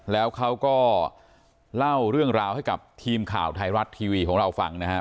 แล้วเขาก็เล่าเรื่องราวให้กับทีมข่าวไทยรัฐทีวีของเราฟังนะครับ